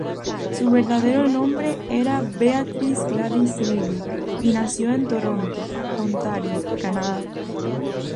Su verdadero nombre era Beatrice Gladys Lillie y nació en Toronto, Ontario, Canadá.